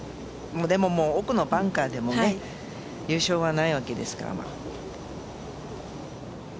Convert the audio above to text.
でも奥のバンカーでも優勝はないわけですから。